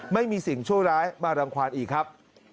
ไม่มีสิ่งชั่วร้ายมารังความอีกครับ